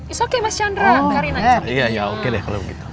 it's okay mas chandra karina jemputin